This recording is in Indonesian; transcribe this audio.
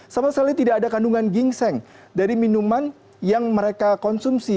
sama sekali tidak ada kandungan gingseng dari minuman yang mereka konsumsi